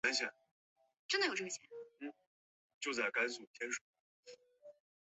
他还在肾上腺髓质中发现了肾上腺素。